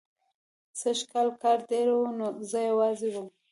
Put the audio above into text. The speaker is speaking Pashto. سږکال کار ډېر و، زه یوازې وم.